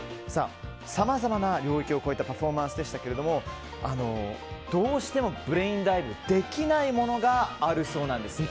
さまざまな領域を越えたパフォーマンスでしたけどもどうしてもブレインダイブできないものがあるそうなんです。